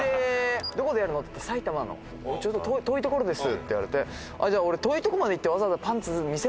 「どこでやるの？」って言って「埼玉のちょっと遠い所です」って言われて「じゃあ俺遠い所まで行ってわざわざパンツ見せるのかよ」